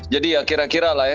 jadi ya kira kira lah ya